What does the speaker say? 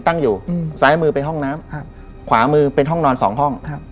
ตั้งอยู่ซ้ายมือเป็นห้องน้ำขวามือเป็นห้องนอนสองห้องครับ